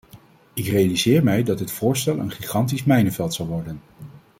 Ik realiseer mij dat dit voorstel een gigantisch mijnenveld zal worden.